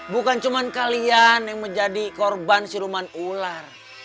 bukan cuma kalian yang menjadi korban siruman ular